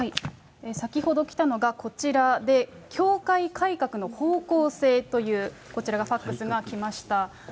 先ほど来たのが、こちらで、教会改革の方向性という、こちらがファックスが来ました。